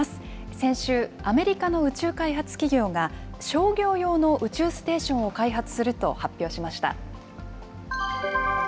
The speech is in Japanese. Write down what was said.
先週、アメリカの宇宙開発企業が、商業用の宇宙ステーションを開発すると発表しました。